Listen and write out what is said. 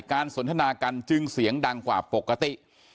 สนทนากันจึงเสียงดังกว่าปกติ